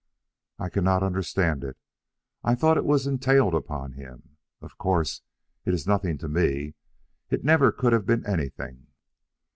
"I cannot understand it. I thought it was entailed upon him. Of course it is nothing to me. It never could have been anything."